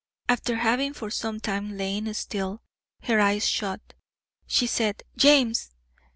After having for some time lain still her eyes shut, she said, "James!"